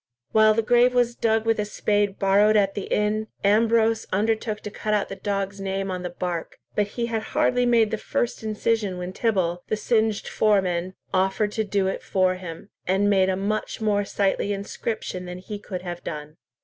While the grave was dug with a spade borrowed at the inn, Ambrose undertook to cut out the dog's name on the bark, but he had hardly made the first incision when Tibble, the singed foreman, offered to do it for him, and made a much more sightly inscription than he could have done.